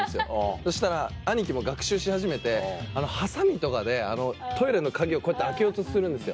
そしたら兄貴も学習し始めてハサミとかでトイレの鍵をこうやって開けようとするんですよ。